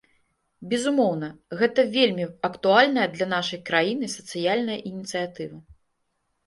Безумоўна, гэта вельмі актуальная для нашай краіны сацыяльная ініцыятыва.